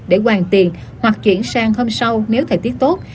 để hoàn tiền hoặc chuyển sang hôm sau nếu thời tiết tốt